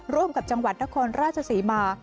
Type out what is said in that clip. ร่วมกับจังหวัดนครราชศรีมา